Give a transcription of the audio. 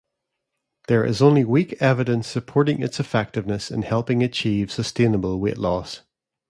There is only weak evidence supporting its effectiveness in helping achieve sustainable weight loss.